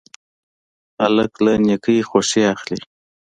هلک له نیکۍ خوښي اخلي.